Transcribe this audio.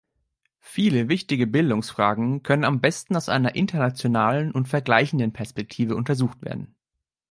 Viele wichtige Bildungsfragen können am besten aus einer internationalen und vergleichenden Perspektive untersucht werden.